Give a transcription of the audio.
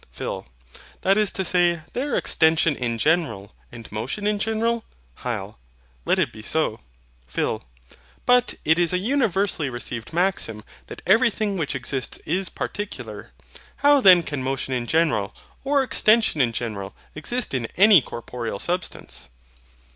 PHIL. That is to say, they are extension in general, and motion in general. HYL. Let it be so. PHIL. But it is a universally received maxim that EVERYTHING WHICH EXISTS IS PARTICULAR. How then can motion in general, or extension in general, exist in any corporeal substance?